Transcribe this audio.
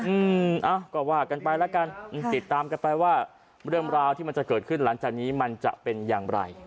เอ้าก็ว่ากันไปแล้วกันติดตามกันไปว่าเรื่องราวที่มันจะเกิดขึ้นหลังจากนี้มันจะเป็นอย่างไร